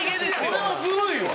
これはずるいわ。